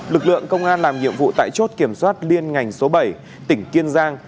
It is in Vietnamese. lực lượng công an làm nhiệm vụ tại chốt kiểm soát liên ngành số bảy tỉnh kiên giang